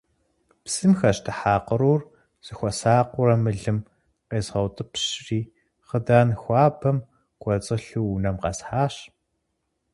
Псым хэщтыхьа кърур, сыхуэсакъыурэ мылым къезгъэутӏыпщри, хъыдан хуабэм кӏуэцӏылъу унэм къэсхьащ.